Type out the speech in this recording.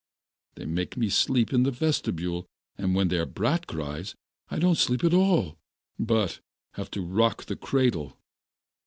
They make me sleep in the vestibule, and when their brat cries, I don't sleep at all, but have to rock the cradle.